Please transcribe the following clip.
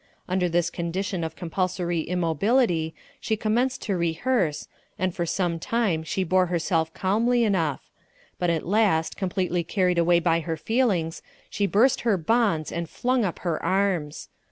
Under this condition of compulsory immobility she commenced to rehearse, and for some time she bore herself calmly enough; but at last, completely carried away by her feelings, she burst her bonds and flung up her arms.